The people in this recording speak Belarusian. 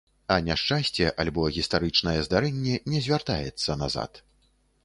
А няшчасце альбо гістарычнае здарэнне не звяртаецца назад.